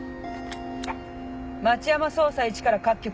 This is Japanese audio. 町山捜査１から各局。